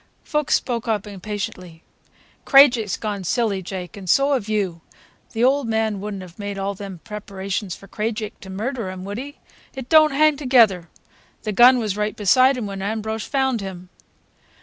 '" Fuchs spoke up impatiently. "Krajiek's gone silly, Jake, and so have you. The old man would n't have made all them preparations for Krajiek to murder him, would he? It don't hang together. The gun was right beside him when Ambrosch found him."